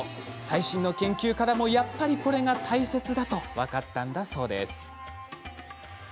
最新の研究からもやっぱり、これが大切だと分かったんだそうです。